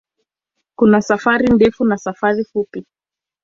Kuna safari ndefu na safari fupi.